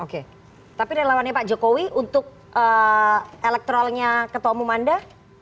oke tapi relawannya pak jokowi untuk elektrolnya ketua umum anda